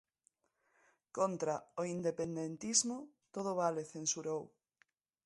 Contra o independentismo todo vale, censurou.